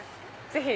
ぜひ！